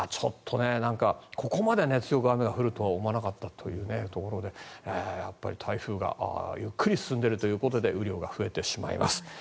ここまで強く雨が降るとは思わなかったというところでやっぱり台風がゆっくり進んでいるということで雨量が増えてしまいます。